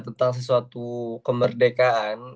tentang sesuatu kemerdekaan